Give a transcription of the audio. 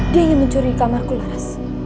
dia yang mencuri kamarku laras